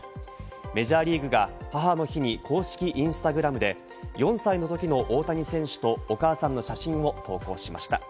メジャーリーグが母の日に公式インスタグラムで４歳の時の大谷選手とお母さんの写真を投稿しました。